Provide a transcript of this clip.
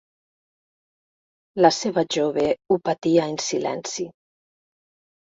La seva jove ho patia en silenci.